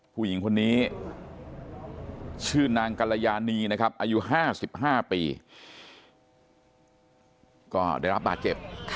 ผู้หญิงคนนี้ชื่อนางกรยานีนะครับอายุ๕๕ปีก็ได้รับบาดเจ็บ